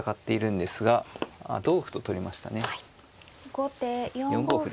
後手４五歩。